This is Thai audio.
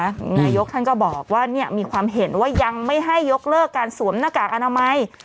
นายกท่านก็บอกว่าเนี่ยมีความเห็นว่ายังไม่ให้ยกเลิกการสวมหน้ากากอนามัย